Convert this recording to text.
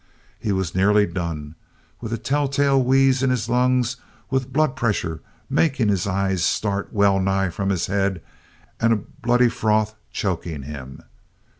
He was nearly done, with a tell tale wheeze in his lungs, with blood pressure making his eyes start well nigh from his head, and a bloody froth choking him.